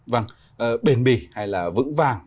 vâng bền bì hay là vững vàng